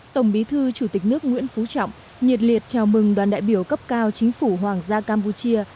tổng bí thư chủ tịch nước nguyễn phú trọng nhiệt liệt chào mừng đoàn đại biểu cấp cao chính phủ hoàng gia campuchia